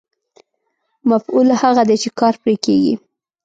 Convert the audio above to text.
مفعول هغه دی چې کار پرې کېږي.